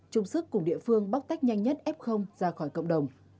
chung sức cùng địa phương bóc tách nhanh nhất f ra khỏi cộng đồng